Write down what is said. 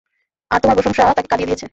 আর তোমার প্রশংসা তাকে কাঁদিয়ে দিয়েছে।